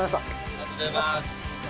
ありがとうございます！